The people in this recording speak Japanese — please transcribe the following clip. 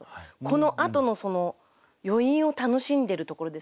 このあとのその余韻を楽しんでるところですかね。